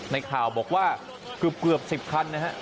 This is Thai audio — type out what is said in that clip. ในข่าวบอกว่าเกือบ๑๐คันนะฮะ